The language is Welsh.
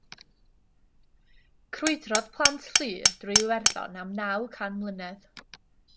Crwydrodd plant Llŷr drwy Iwerddon am naw can mlynedd.